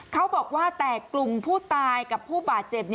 เขาบอกว่าแต่กลุ่มผู้ตายกับผู้บาดเจ็บ